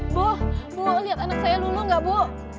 bu bu lihat anak saya luluh gak bu